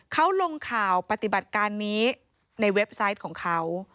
เขาลงข่าวปฏิบัติการนี้ในเว็บไซต์ของเขา